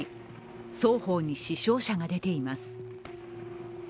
双方に死傷者が出ています。